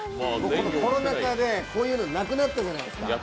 コロナ禍で、こういうのなくなったじゃないですか。